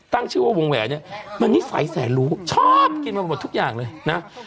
ตั้งชื่อว่าวงแหวนเนี่ยมันนิสัยแสนรู้ชอบกินมาหมดทุกอย่างเลยนะ